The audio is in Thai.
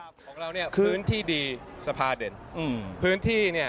ของเราเนี่ยพื้นที่ดีสภาเด่นอืมพื้นที่เนี้ย